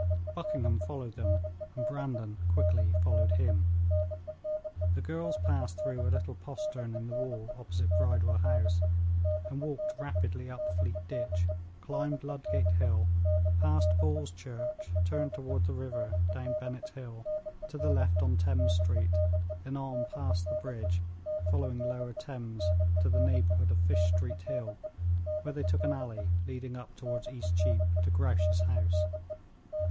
Buckingham followed them and Brandon quickly followed him. The girls passed through a little postern in the wall opposite Bridewell House, and walked rapidly up Fleet Ditch; climbed Ludgate Hill; passed Paul's church; turned toward the river down Bennett Hill; to the left on Thames street; then on past the Bridge, following Lower Thames street to the neighborhood of Fish street Hill, where they took an alley leading up toward East Cheap to Grouche's house.